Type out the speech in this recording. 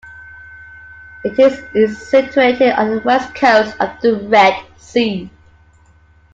It is situated on the west coast of the Red Sea.